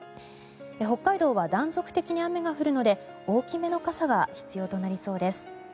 北海道は断続的に雨が降るので大きめの傘が必要となりそうです。